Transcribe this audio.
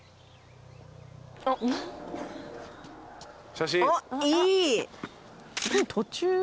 あっいい！